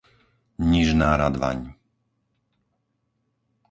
Nižná Radvaň